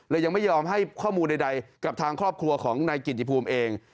ยังไม่ยอมให้ข้อมูลใดกับทางครอบครัวของนายกิติภูมิเอง